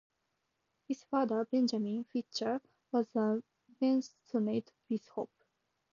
His father Benjamin Eicher was a Mennonite bishop.